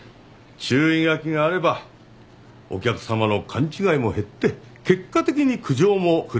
注意書きがあればお客さまの勘違いも減って結果的に苦情もクレームも減ることになる。